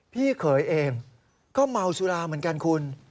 พี่เขยเองก็เมาสุราเหมือนกันคุณ